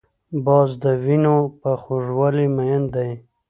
باز د وینو په خوږوالي مین دی